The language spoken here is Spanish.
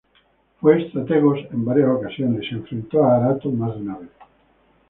Fue "strategos" en varias ocasiones y se enfrentó a Arato más de una vez.